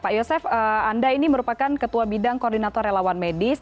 pak yosef anda ini merupakan ketua bidang koordinator relawan medis